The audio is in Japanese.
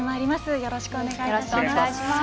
よろしくお願いします。